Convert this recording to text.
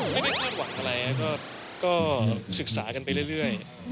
ไม่ได้คาดหวังอะไรก็ศึกษากันไปเรื่อย